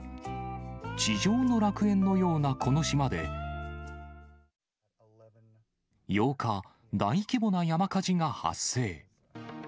地上の楽園のようなこの島で、８日、大規模な山火事が発生。